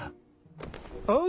ああ！